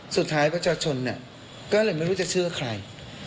สุดท้ายประชาชนเนี่ยก็เลยไม่รู้จะเชื่อใคร